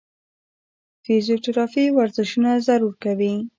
فزيوتراپي ورزشونه ضرور کوي -